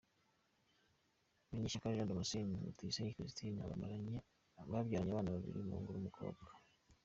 Munyeshyaka Jean Damascene na Tuyisenge Christine babyaranye abana babiri, umuhungu n’umukobwa.